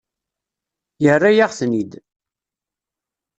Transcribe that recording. Yerra-yaɣ-ten-id.